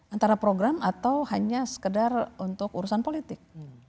antara program atau hanya sekedar untuk urusan politik